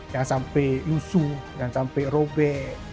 jangan sampai yusu jangan sampai robe